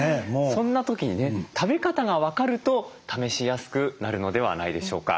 そんな時にね食べ方が分かると試しやすくなるのではないでしょうか。